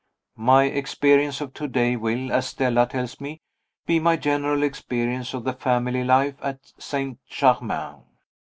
_ My experience of to day will, as Stella tells me, be my general experience of the family life at St. Germain.